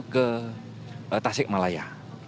ke tasik malaya